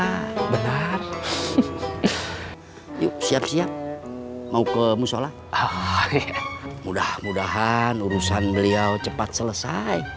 kita jadi terbuka benar yuk siap siap mau ke musyola mudah mudahan urusan beliau cepat selesai